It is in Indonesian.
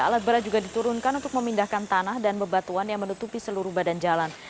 alat berat juga diturunkan untuk memindahkan tanah dan bebatuan yang menutupi seluruh badan jalan